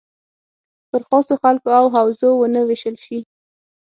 پر خاصو خلکو او حوزو ونه ویشل شي.